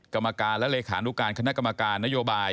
กรรมการและเลขานุการคณะกรรมการนโยบาย